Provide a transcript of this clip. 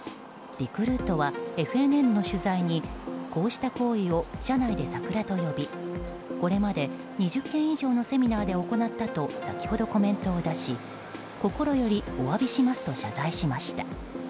リクルートはＦＮＮの取材にこうした行為を社内でサクラと呼びこれまで２０件以上のセミナーで行ったと先ほど、コメントを出し心よりお詫び申し上げますと謝罪しました。